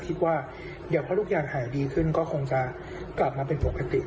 คิดว่าเดี๋ยวพอลูกยากหายดีขึ้นก็คงจะกลับมาเป็นปกติขึ้นนะครับ